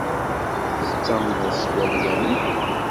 Tettamneḍ s walyanen?